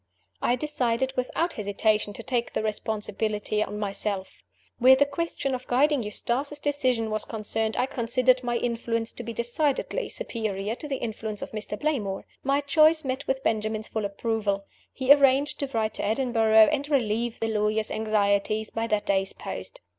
I decided, without hesitation, to take the responsibility on myself. Where the question of guiding Eustace's decision was concerned, I considered my influence to be decidedly superior to the influence of Mr. Playmore. My choice met with Benjamin's full approval. He arranged to write to Edinburgh, and relieve the lawyer's anxieties by that day's post.